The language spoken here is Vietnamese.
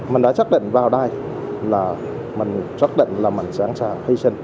mình đã chắc chắn vào đây là mình chắc chắn là mình sẵn sàng hy sinh